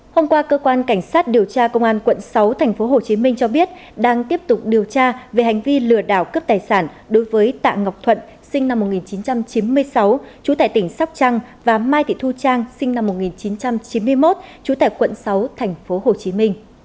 hôm qua cơ quan cảnh sát điều tra công an quận sáu tp hcm cho biết đang tiếp tục điều tra về hành vi lừa đảo cướp tài sản đối với tạ ngọc thuận sinh năm một nghìn chín trăm chín mươi sáu trú tại tỉnh sóc trăng và mai thị thu trang sinh năm một nghìn chín trăm chín mươi một trú tại quận sáu tp hcm